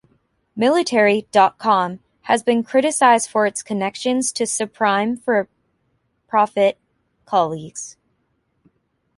Military dot com has been criticized for its connection to subprime for-profit colleges.